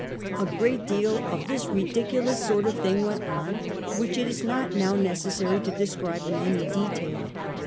A great deal of this ridi culous sort of thing w.ent on which it is not now necessary to describe in any detail.